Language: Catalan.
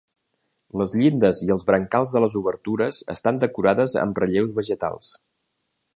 Les llindes i els brancals de les obertures estan decorades amb relleus vegetals.